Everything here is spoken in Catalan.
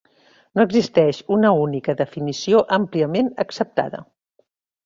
No existeix una única definició àmpliament acceptada.